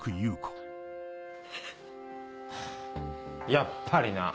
ハァやっぱりな。